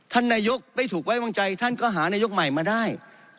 ท่านนายกไม่ถูกไว้วางใจท่านก็หานายกใหม่มาได้